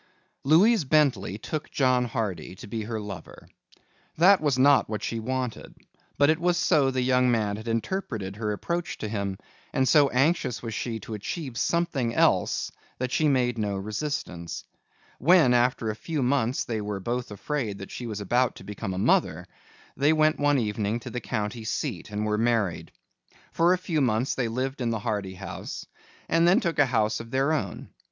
Louise Bentley took John Hardy to be her lover. That was not what she wanted but it was so the young man had interpreted her approach to him, and so anxious was she to achieve something else that she made no resistance. When after a few months they were both afraid that she was about to become a mother, they went one evening to the county seat and were married. For a few months they lived in the Hardy house and then took a house of their own.